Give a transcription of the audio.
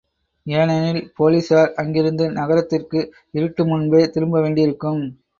ஏனெனில் போலிஸார் அங்கிருந்து நகரத்திற்கு இருட்டு முன்பே திரும்பவேண்டியிருக்கும்.